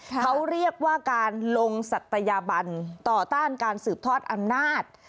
เขาเรียกว่าการลงศัตยาบันต่อต้านการสืบทอดอำนาจ